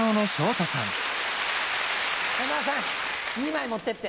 山田さん２枚持ってって。